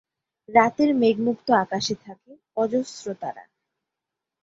রাতের মেঘমুক্ত আকাশে থাকে অজস্র তারা।